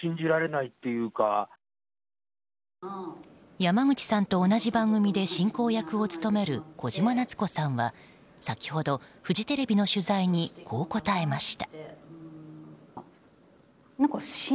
山口さんと同じ番組で進行役を務める小島奈津子さんは先ほど、フジテレビの取材にこう答えました。